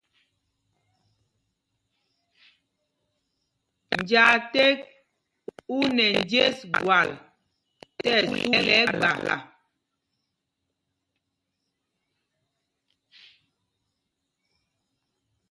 Njāā ték u nɛ njes gwal tí ɛsu lɛ ɛgbala.